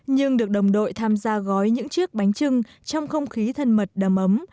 nhưng được đồng đội tham gia gói những chiếc bánh trưng trong không khí thân mật đầm ấm